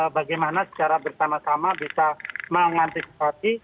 bagaimana secara bersama sama bisa mengantisipasi